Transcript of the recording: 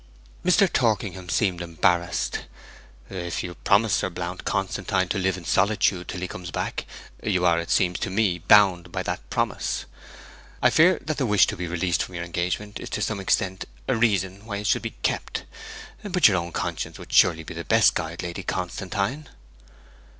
Mr. Torkingham seemed embarrassed. 'If you promised Sir Blount Constantine to live in solitude till he comes back, you are, it seems to me, bound by that promise. I fear that the wish to be released from your engagement is to some extent a reason why it should be kept. But your own conscience would surely be the best guide, Lady Constantine?'